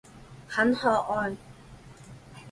很可愛